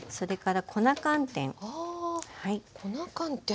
あ粉寒天。